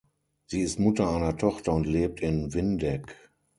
Sie ist Mutter einer Tochter und lebt in Windeck.